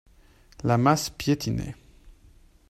La masse piétinait.